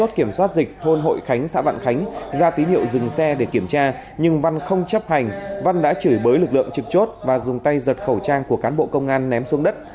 trước khi đối tượng chấp hành văn đã chửi bới lực lượng trực chốt và dùng tay giật khẩu trang của cán bộ công an ném xuống đất